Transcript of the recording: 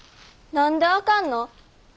何であかんの？